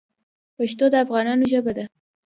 پښتو د افغانانو ژبه ده.